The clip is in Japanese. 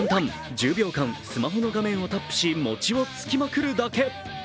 １０秒間、スマホの画面をタップし、餅をつきまくるだけ。